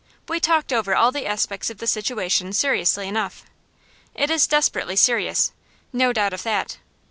We talked over all the aspects of the situation seriously enough it is desperately serious, no doubt of that.